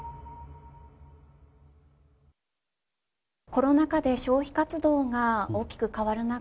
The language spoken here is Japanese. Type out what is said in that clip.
コロナ禍で消費活動が大きく変わる中